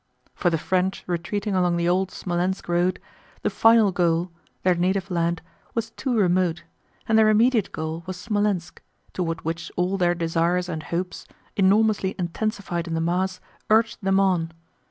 For the French retreating along the old Smolénsk road, the final goal—their native land—was too remote, and their immediate goal was Smolénsk, toward which all their desires and hopes, enormously intensified in the mass, urged them on.